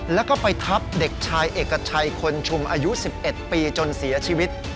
แล้วก็ไปทับเด็กชายเอกชัยคนชุมอายุ๑๑ปีจนเสียชีวิต